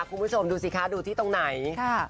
คุณผู้ชมดูสิคะดูที่ตรงไหน